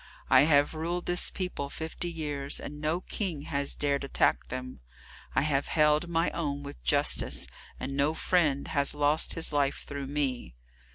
I have ruled this people fifty years, and no King has dared attack them. I have held my own with justice, and no friend has lost his life through me.